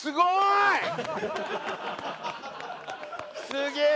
すげえ！